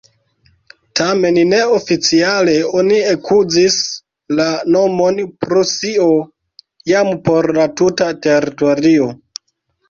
Tamen ne-oficiale oni ekuzis la nomon "Prusio" jam por la tuta teritorio.